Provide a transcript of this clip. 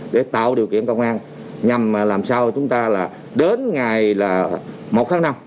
để tạo điều kiện công an nhằm làm sao chúng ta là đến ngày một tháng năm